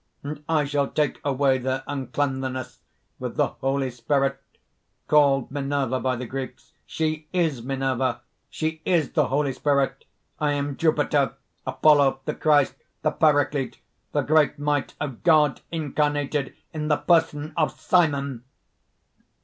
and I shall take away their uncleanliness with the Holy Spirit, called Minerva by the Greeks. She is Minerva! she is the Holy Spirit! I am Jupiter, Apollo, the Christ, the Paraclete, the great might of God, incarnated in the person of Simon!"